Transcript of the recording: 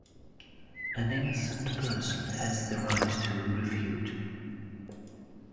An innocent person has the right to refute.